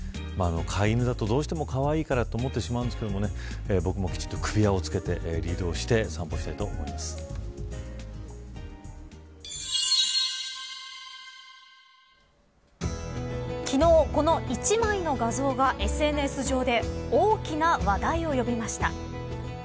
飼い犬だと、どうしてもかわいいからと思ってしまいますが僕もきちっと首輪をつけてリードをして昨日この一枚の画像がＳＮＳ上で大きな話題を呼びました。